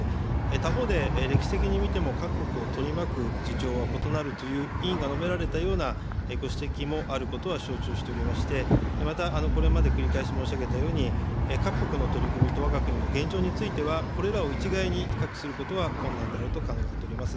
他方で、歴史的に見ても、各国を取り巻く事情は異なるという、委員が述べられたようなご指摘もあることは承知をしておりまして、またこれまで繰り返し申し上げたように、各国の取り組みとわが国の現状についてはこれらを一概に比較することは困難であると考えております。